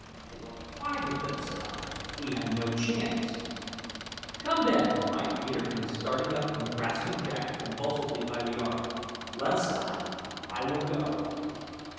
"There are five of them," said I; "we have no chance." "Come, then!" cried Peterkin, starting up and grasping Jack convulsively by the arm; "let us dive. I will go."